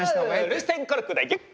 涙腺コルクでギュッ！